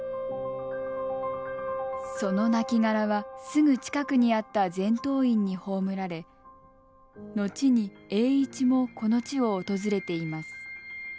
その亡骸はすぐ近くにあった全洞院に葬られ後に栄一もこの地を訪れています。